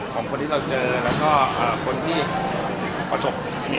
ของคนที่เรเจอและคนที่มีสำคัญด้วย